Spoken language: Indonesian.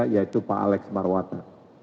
yaitu pak alex marwata